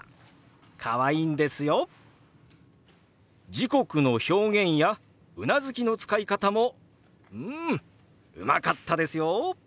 時刻の表現やうなずきの使い方もうんうまかったですよ！